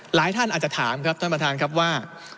หลายท่านอาจจะถามครับท่านประธานครับว่า